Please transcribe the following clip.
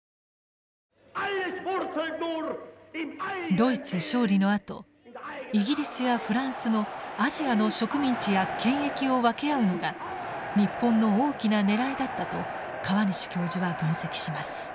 ドイツ勝利のあとイギリスやフランスのアジアの植民地や権益を分け合うのが日本の大きな狙いだったと河西教授は分析します。